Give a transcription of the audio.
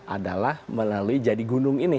adalah melalui jadi gunung ini